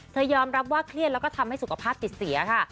ยอมรับว่าเครียดแล้วก็ทำให้สุขภาพติดเสียค่ะ